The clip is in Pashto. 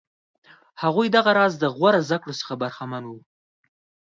هغوی دغه راز د غوره زده کړو څخه برخمن وي.